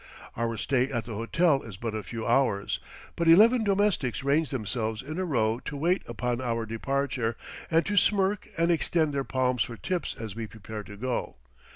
Our stay at the hotel is but a few hours, but eleven domestics range themselves in a row to wait upon our departure and to smirk and extend their palms for tips as we prepare to go.